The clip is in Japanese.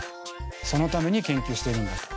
そのために研究してるんだと。